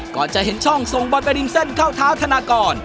ก่อนจะเห็นช่องส่งบอลไปนิ่มเส้นเข้าเท้าถนากอน